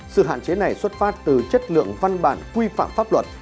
sự hạn chế này xuất phát từ chất lượng văn bản quy phạm pháp luật